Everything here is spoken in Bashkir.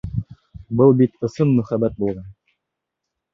Был бит ысын мөхәббәт булған!